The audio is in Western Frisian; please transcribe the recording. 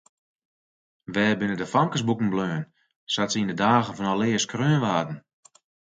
Wêr binne de famkesboeken bleaun sa't se yn de dagen fan alear skreaun waarden?